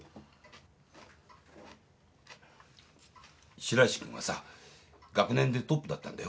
白石君はさ学年でトップだったんだよ。